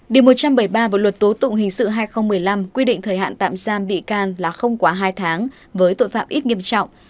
điều một trăm bảy mươi ba bộ luật tố tụng hình sự hai nghìn một mươi năm quy định thời hạn tạm giam bị can là không quá hai tháng với tội phạm ít nghiêm trọng